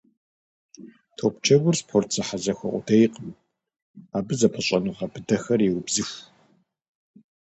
Топджэгур спорт зэхьэзэхуэ къудейкъым, абы зэпыщӏэныгъэ быдэхэр еубзыху.